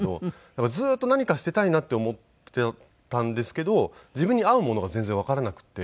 ずっと何かしていたいなって思っていたんですけど自分に合うものが全然わからなくて。